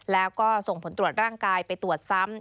แล้วก็ส่งผลตรวจร่างกายไปตรวจซ้ำ